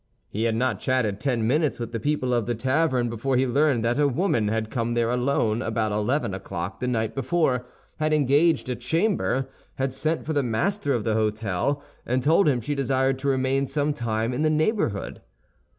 He had not chatted ten minutes with the people of the tavern before he learned that a woman had come there alone about eleven o'clock the night before, had engaged a chamber, had sent for the master of the hôtel, and told him she desired to remain some time in the neighborhood.